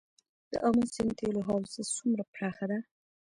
د امو سیند تیلو حوزه څومره پراخه ده؟